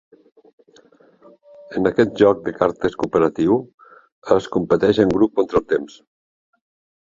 En aquest joc de cartes cooperatiu es competeix en grup contra el temps.